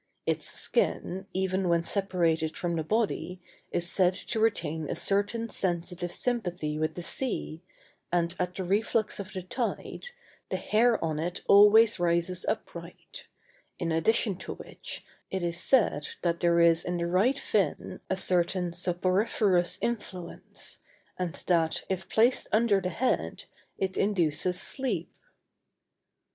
Its skin, even when separated from the body, is said to retain a certain sensitive sympathy with the sea, and at the reflux of the tide, the hair on it always rises upright: in addition to which, it is said that there is in the right fin a certain soporiferous influence, and that, if placed under the head, it induces sleep.